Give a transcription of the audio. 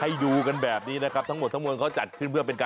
ให้ดูแบบนี้ต้องเขาจัดขึ้นเพื่ออนะ